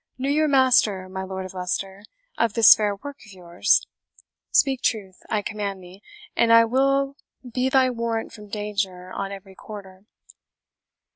Knew your master, my Lord of Leicester, of this fair work of yours? Speak truth, I command thee, and I will be thy warrant from danger on every quarter."